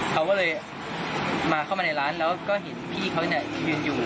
เขาก็เลยมาเข้ามาในร้านแล้วก็เห็นพี่เขายืนอยู่